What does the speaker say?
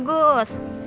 oh aduk saya